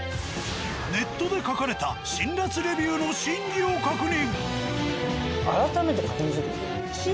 ネットで書かれた辛辣レビューの真偽を確認。